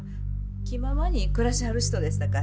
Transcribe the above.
気ままに暮らしはる人ですさかい。